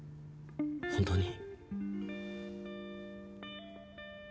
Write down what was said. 本当に。